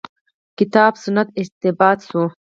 کتاب سنت استنباط شوې.